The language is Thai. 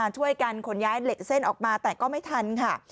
ช่วยกันขนย้ายเหล็กเส้นออกมาแต่ก็ไม่ทันค่ะ